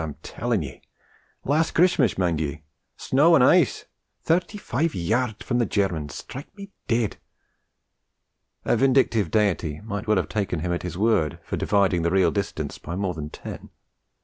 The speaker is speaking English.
I'm tellin' ye! Lash C'rishmash mind ye shnow an' ische! Thairty five yarrds from the Gairmans strike me dead!' A vindictive Deity might well have taken him at his word, for dividing the real distance by more than ten.